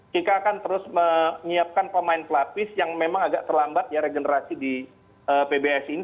kita akan terus menyiapkan pemain pelapis yang memang agak terlambat ya regenerasi di pbs ini